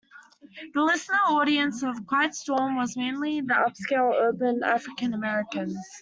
The listening audience of quiet storm was mainly "upscale urban" African Americans.